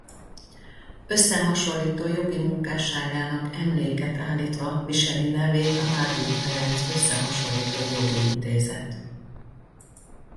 Összehasonlító jogi munkásságának emléket állítva viseli nevét a Mádl Ferenc Összehasonlító Jogi Intézet.